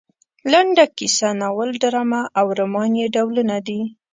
لنډه کیسه ناول ډرامه او رومان یې ډولونه دي.